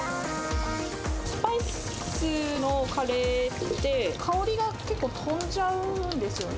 スパイスのカレーって、香りが結構、飛んじゃうんですよね。